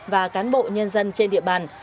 và cán bộ nhân dân trên địa bàn